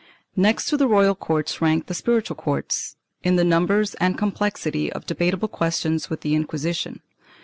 Next to the royal courts ranked the spiritual courts in the number and com plexity of debatable questions with the Inquisition.